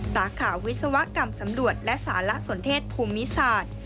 สาขาวิศวกรรมสำรวจและสารสนเทศภูมิศาสตร์